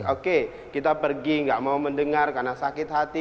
oke kita pergi gak mau mendengar karena sakit hati